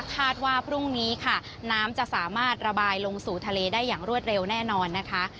คาดว่าพรุ่งนี้ค่ะน้ำจะสามารถระบายลงสู่ทะเลได้อย่างรวดเร็วแน่นอนนะคะ